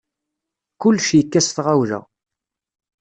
Kullec yekka s tɣawla.